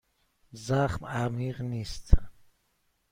زخم عمیق نیست.